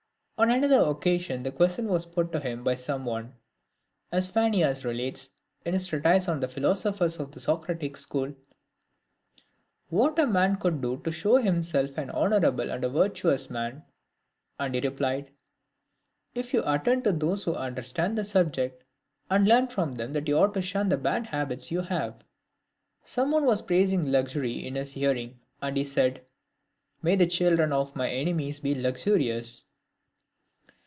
On another occasion, the question was put to him by some one, as Phanias relates, in his treatise on the Philosphers of the 220 LIVES OF EMINENT PHILOSOPHERS.' Socratic school, what a man could do to show himself an honourable and a virtuous man ; and he replied, " If you atttend to those who understand the subject, and learn from them that you ought to shun the bad habits which you have." Some one was praising luxury in his hearing, and he said, " May the children of my enemies be luxurious."